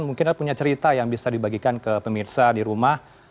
mungkin ada punya cerita yang bisa dibagikan ke pemirsa di rumah